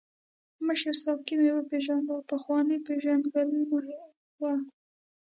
مشر ساقي مې وپیژاند، پخوانۍ پېژندګلوي مو وه.